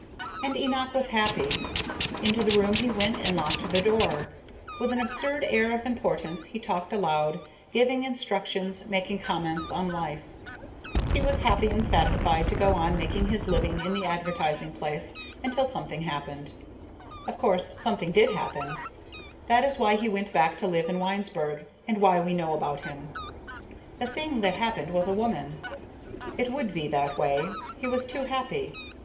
And Enoch was happy. Into the room he went and locked the door. With an absurd air of importance he talked aloud, giving instructions, making comments on life. He was happy and satisfied to go on making his living in the advertising place until something happened. Of course something did happen. That is why he went back to live in Winesburg and why we know about him. The thing that happened was a woman. It would be that way. He was too happy.